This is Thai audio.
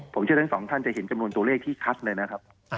ผมเชื่อทั้งสองท่านจะเห็นจำนวนตัวเลขที่คัดเลยนะครับ